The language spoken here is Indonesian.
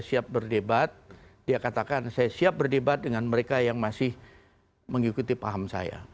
siap berdebat dia katakan saya siap berdebat dengan mereka yang masih mengikuti paham saya